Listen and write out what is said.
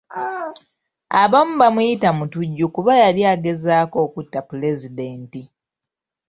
Abamu bamuyita mutujju kuba yali agezaako okutta Pulezidenti.